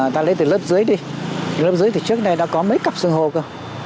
ta lấy từ lớp dưới đi lớp dưới thì trước này đã có mấy cặp xưng hô cơ